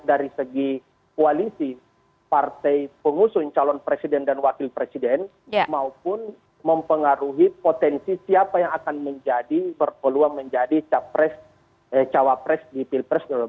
dan mempengaruhi potensi siapa yang akan menjadi berkeluar menjadi cawapres di pilpres dua ribu dua puluh empat